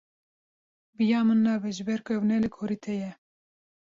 Bi ya min nabe ji ber ku ev ne li gorî te ye.